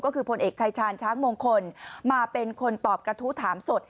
ก็คือผลเอกชายชาญช้างมงคลมาเป็นคนตอบกระทู้ถามสด